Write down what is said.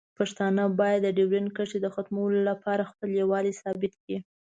پښتانه باید د ډیورنډ کرښې د ختمولو لپاره خپل یووالی ثابت کړي.